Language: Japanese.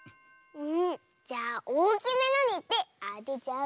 んじゃあおおきめのにいってあてちゃうよ。